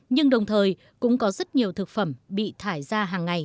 nhưng đồng thời cũng có rất nhiều thực phẩm bị thải ra